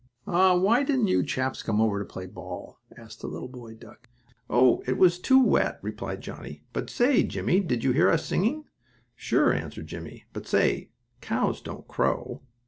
"Aw, why didn't you chaps come over to play ball?" asked the little boy duck. "Oh! it was too wet," replied Johnnie. "But say, Jimmie, did you hear us singing?" "Sure," answered Jimmie. "But say; cows don't crow!"